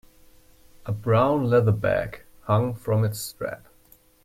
A brown leather bag hung from its strap.